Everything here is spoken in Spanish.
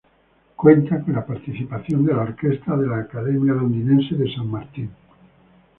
Cuenta con la participación de la orquesta de la academia londinense de St.Martin.